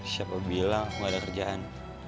siapa bilang nggak ada kerjaan